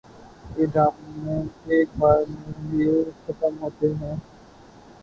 یہ ڈرامے ایک بار میں بھی ختم ہوتے ہیں